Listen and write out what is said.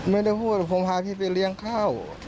ไม่ได้พูดผมพาพี่ไปเลี้ยงข้าว